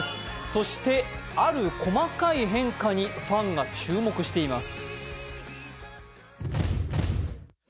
そして、ある細かい変化にファンが注目しています。